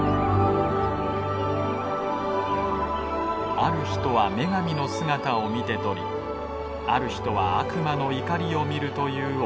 ある人は女神の姿を見て取りある人は悪魔の怒りを見るというオーロラ。